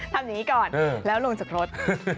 ทำอย่างนี้ก่อนแล้วลงจากรถ